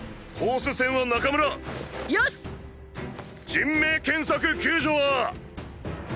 人命検索救助は。